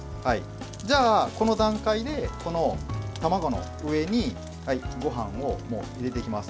じゃあ、この段階でこの卵の上にごはんを入れていきます。